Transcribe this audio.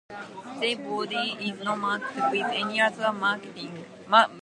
The body is not marked with any other markings.